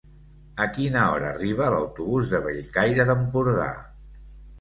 A quina hora arriba l'autobús de Bellcaire d'Empordà?